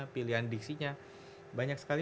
pilihan diksinya banyak sekali